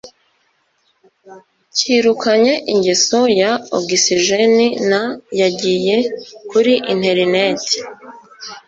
yirukanye ingeso ya ogisijeni na yagiye kuri interineti